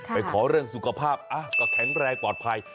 ขอเรื่องสุขภาพก็แข็งแรงปลอดภัย